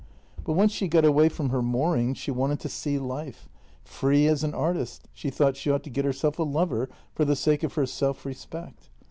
But once she got away from her moorings she wanted to see life — free as an artist, she thought she ought to get herself a lover for the sake of her self respect.